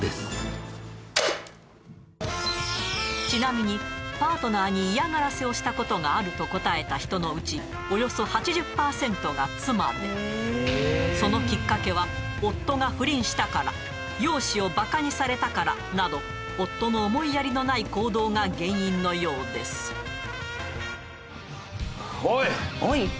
ちなみにパートナーに嫌がらせをしたことがあると答えた人のうちおよそ８０％が妻でそのきっかけは夫が不倫したから容姿をバカにされたからなど夫の思いやりのない行動が原因のようですおい！